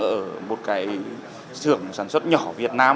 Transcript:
ở một cái sưởng sản xuất nhỏ việt nam